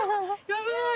やばい！